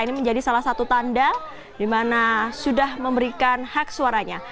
ini menjadi salah satu tanda di mana sudah memberikan hak suaranya